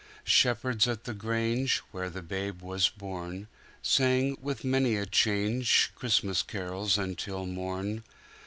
Shepherds at the grange, Where the Babe was born, Sang, with many a change, Christmas carols until morn.